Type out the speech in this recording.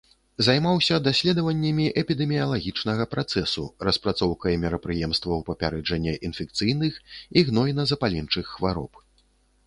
Займаўся даследаваннямі эпідэміялагічнага працэсу, распрацоўкай мерапрыемстваў папярэджання інфекцыйных і гнойна-запаленчых хвароб.